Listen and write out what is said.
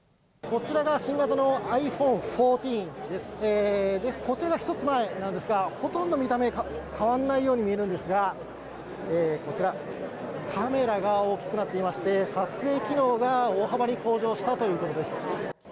こちらが一つ前なんですが、ほとんど見た目、変わらないように見えるんですが、こちら、カメラが大きくなっていまして、撮影機能が大幅に向上したということです。